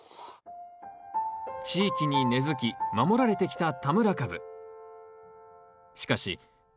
地域に根づき守られてきた田村かぶ。